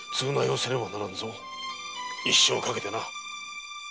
一生かけてな。